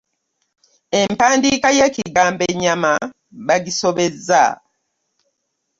Empandiika y'ekigambo ennyama baagisobezza.